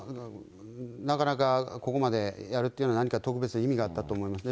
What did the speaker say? なかなかここまでやるっていうのは、何か特別に意味があったと思いますね。